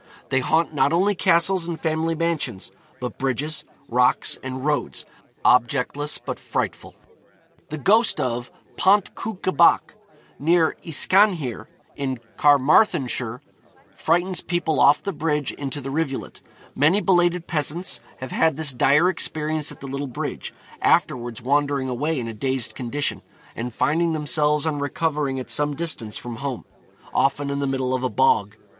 They haunt not only castles and family mansions, but bridges, rocks, and roads, objectless but frightful. The ghost of Pont Cwnca Bach, near Yscanhir, in Carmarthenshire, frightens people off the bridge into the rivulet. Many belated peasants have had this dire experience at the little bridge, afterwards wandering away in a dazed condition, and finding themselves on recovering at some distance from home, often in the middle of a bog.